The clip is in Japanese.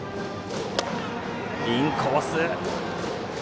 インコース。